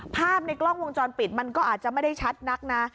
ภาพในกล้องวงจรปิดมันก็อาจจะไม่ได้ชัดนักนะ